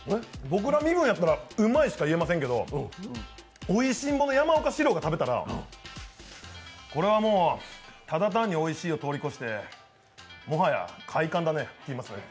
僕ら身分やったら、「うまい」しか言えないけどおいしんぼのヤマオカシロウが食べたら、これはもう、ただ単においしいを通り越して、もはや快感だねって言いますね。